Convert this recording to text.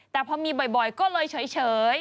แต่พอมีบ่อยก็เลยเฉย